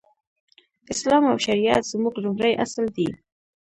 اسلام او شريعت زموږ لومړی اصل دی.